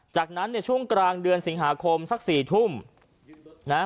จากนั้นเนี่ยช่วงกลางเดือนสิงหาคมสักสี่ทุ่มนะฮะ